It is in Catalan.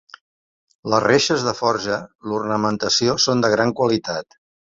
Les reixes de forja, l'ornamentació són de gran qualitat.